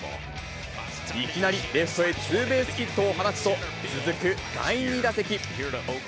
いきなりレフトへツーベースヒットを放つと、続く第２打席。